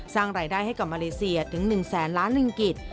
สร้างรายได้ให้กับมาเลเซียถึง๑แสนล้านลิงกิจ